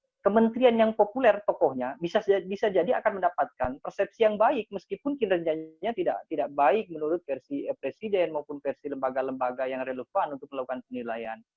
karena kementerian yang populer tokohnya bisa jadi akan mendapatkan persepsi yang baik meskipun kinerjanya tidak baik menurut versi presiden maupun versi lembaga lembaga yang relevan untuk melakukan penilaian